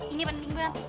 ini penting banget